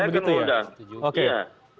iya saya akan mengundang